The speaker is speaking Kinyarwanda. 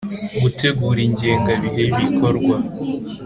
Gutegura ingengabihe y’ibikorwa;